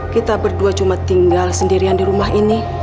kita berdua cuma tinggal sendirian di rumah ini